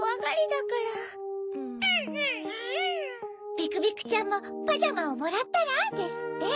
「ビクビクちゃんもパジャマをもらったら？」ですって。